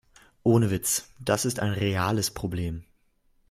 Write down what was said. Ohne Witz, das ist ein reales Problem.